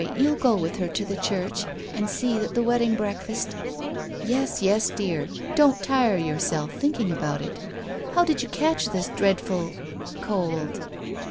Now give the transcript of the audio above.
You'll go with her to the church, and see that the wedding breakfast " "Yes, yes, dear. Don't tire yourself, thinking about it all. How did you catch this dreadful — cold